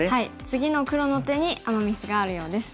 次の黒の手にアマ・ミスがあるようです。